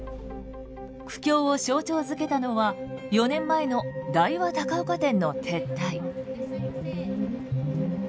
苦境を象徴づけたのは４年前の大和高岡店の撤退。